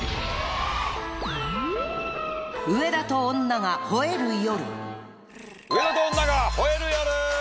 『上田と女が吠える夜』！